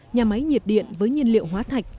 nhà máy nhiệt điện với nhiên liệu hóa thạch